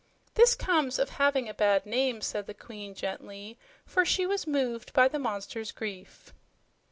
"This comes of having a bad name," said the Queen gently, for she was moved by the monster's grief.